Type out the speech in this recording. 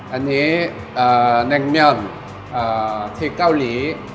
อันนี้แน่งเมียมที่เกาหลี